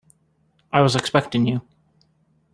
I was expecting you.